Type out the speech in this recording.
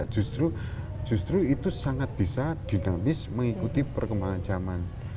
justru itu sangat bisa dinamis mengikuti perkembangan zaman